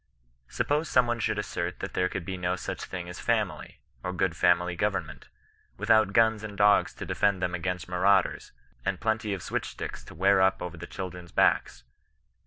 Suppose some one should assert that there could be no such thing as a family, or good family government, without guns and dogs to defend them against marauders, and plenty of switchrSticks to wear up over the children's backs.